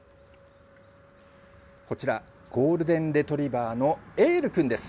こちらゴールデンレトリバーのエール君です。